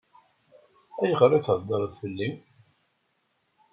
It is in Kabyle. Ayɣer i theddṛeḍ fell-i?